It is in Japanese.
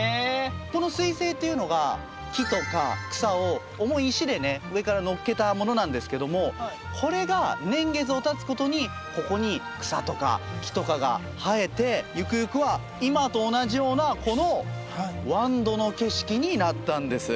この水制っていうのが木とか草を重い石でね上から載っけたものなんですけどもこれが年月をたつことにここに草とか木とかが生えてゆくゆくは今と同じようなこのワンドの景色になったんです！